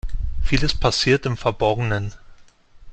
Vieles passiert im Verborgenen.